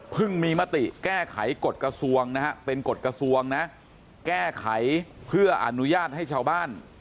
มีมติแก้ไขกฎกระทรวงนะฮะเป็นกฎกระทรวงนะแก้ไขเพื่ออนุญาตให้ชาวบ้าน